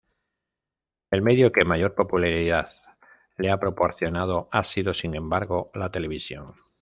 El medio que mayor popularidad le ha proporcionado ha sido, sin embargo, la televisión.